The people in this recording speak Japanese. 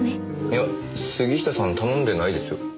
いや杉下さん頼んでないですよ。